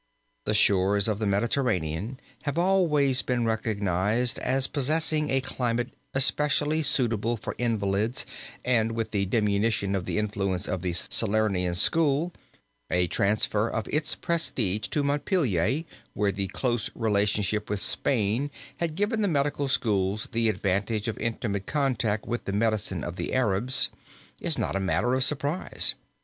The shores of the Mediterranean have always been recognized as possessing a climate especially suitable for invalids and with the diminution of the influence of the Salernitan school, a transfer of its prestige to Montpelier, where the close relationship with Spain had given the medical schools the advantage of intimate contact with the medicine of the Arabs, is not a matter of surprise.